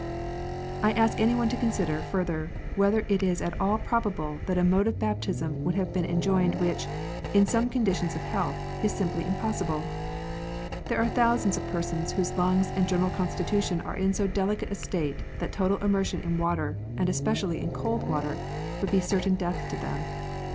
I ask any one to consider, further, whether it is at all pro bable that a mode of baptism would have been enjoined which, in some conditions of health, is simply impossible. There are thousands of persons whose lungs and general constitution are in so delicate a state that total immersion in water, and especially in cold water, would be certain death to them.